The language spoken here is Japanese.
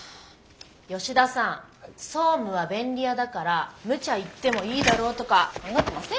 吉田さん「総務は便利屋だからむちゃ言ってもいいだろ」とか考えてません？